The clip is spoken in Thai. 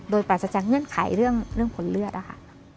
โดยปราศจากเงื่อนไขเรื่องผลเลือดนะคะ